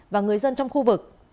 và người dân trong khu vực